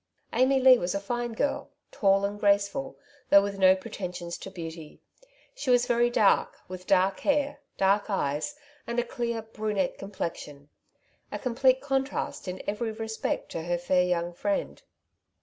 Amy Leigh was a fine girl, tall and graceful, though with no pretensions to beauty. She was very dark, with dark hair, dark eyes, and a clear brunette complexion ; a complete contrast in every respect to her fair young friend.